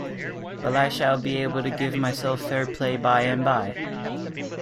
But I shall be able to give myself fair-play by-and-by.